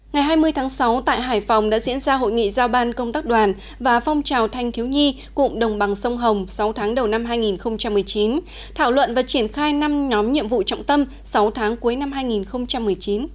ngày hai mươi tháng sáu tại hải phòng đã diễn ra hội nghị giao ban công tác đoàn và phong trào thanh thiếu nhi cụm đồng bằng sông hồng sáu tháng đầu năm hai nghìn một mươi chín thảo luận và triển khai năm nhóm nhiệm vụ trọng tâm sáu tháng cuối năm hai nghìn một mươi chín